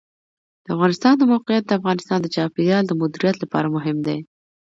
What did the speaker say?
د افغانستان د موقعیت د افغانستان د چاپیریال د مدیریت لپاره مهم دي.